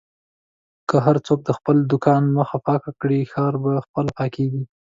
که هر څوک د خپل دوکان مخه پاکه کړي، ښار په خپله پاکېږي.